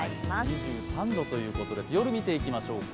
２３度ということです、夜見ていきましょうか。